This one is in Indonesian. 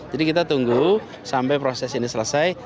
jadi kita tunggu sampai proses ini selesai